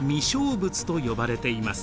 仏と呼ばれています。